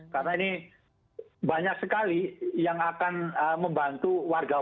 karena ini banyak sekali yang akan berkaitan dengan ini